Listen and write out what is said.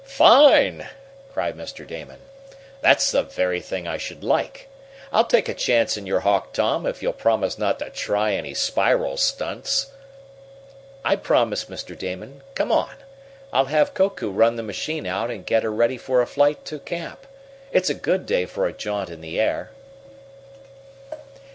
"Fine!" cried Mr. Damon. "That's the very thing I should like. I'll take a chance in your Hawk, Tom, if you'll promise not to try any spiral stunts." "I promise, Mr. Damon. Come on! I'll have Koku run the machine out and get her ready for a flight to Camp. It's a good day for a jaunt in the air."